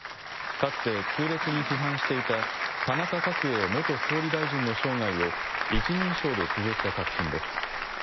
かつて、痛烈に批判していた田中角栄元総理大臣の生涯を１人称でつづった作品です。